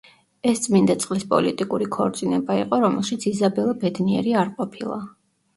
ეს წმინდა წყლის პოლიტიკური ქორწინება იყო, რომელშიც იზაბელა ბედნიერი არ ყოფილა.